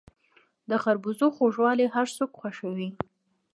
د خربوزو خوږوالی هر څوک خوښوي.